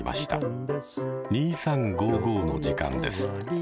「２３５５」の時間です。